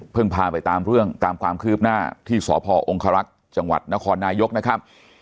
พาไปตามเรื่องตามความคืบหน้าที่สพองครักษ์จังหวัดนครนายกนะครับ